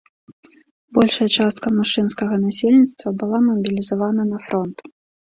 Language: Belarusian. Большая частка мужчынскага насельніцтва была мабілізавана на фронт.